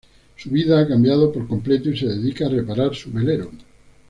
Su vida ha cambiado por completo y se dedica a reparar su velero.